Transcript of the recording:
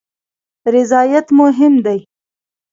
رضایت مهم دی